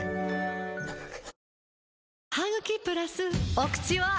お口は！